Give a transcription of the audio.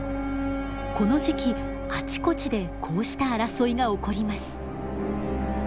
この時期あちこちでこうした争いが起こります。